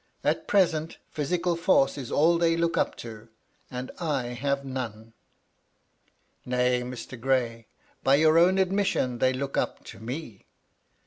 At present, physical force is all they look up to ; and I have none." " Nay, Mr. Gray, by your own admission, they look up to me."